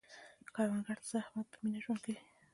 کروندګر د زحمت په مینه ژوند کوي